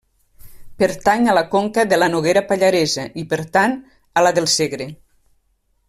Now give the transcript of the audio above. Pertany a la conca de la Noguera Pallaresa i, per tant, a la del Segre.